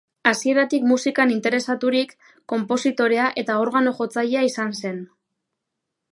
Hasieratik musikan interesaturik, konpositorea eta organo-jotzailea izan zen.